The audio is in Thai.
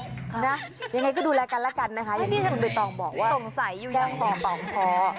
ครับยังไงก็ดูแลกันละกันนะคะอย่างที่สุดเดียวต้องบอกว่าแกล้งตลอดต้องพอ